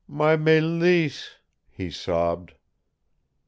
My Mélisse!" he sobbed.